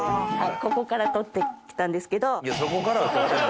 ここから取ってきたんですけど。